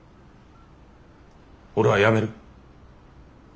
俺は辞める。